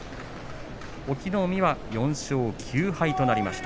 隠岐の海は４勝９敗です。